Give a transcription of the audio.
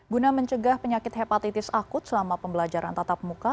guna mencegah penyakit hepatitis akut selama pembelajaran tatap muka